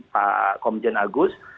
pak komjen agus